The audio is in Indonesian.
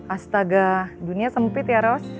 astaga dunia sempit ya ros